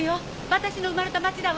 私の生まれた町だわ。